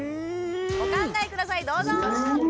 お考え下さいどうぞ！